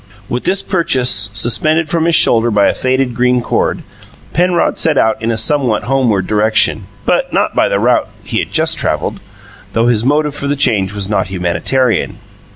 With this purchase suspended from his shoulder by a faded green cord, Penrod set out in a somewhat homeward direction, but not by the route he had just travelled, though his motive for the change was not humanitarian.